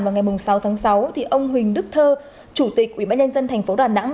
vào ngày sáu tháng sáu ông huỳnh đức thơ chủ tịch ủy ban nhân dân thành phố đà nẵng